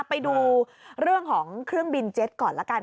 ไปดูเรื่องของเครื่องบินเจ็ตก่อนละกัน